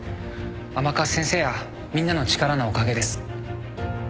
甘春先生やみんなの力のおかげです。